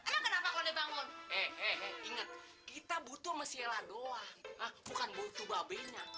enggak kenapa kau dibangun eh eh eh ingat kita butuh masih ladoa bukan butuh babenya